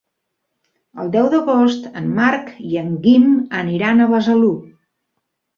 El deu d'agost en Marc i en Guim aniran a Besalú.